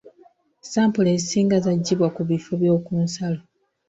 Sampolo ezisinga zaggyibwa ku bifo by'oku nsalo.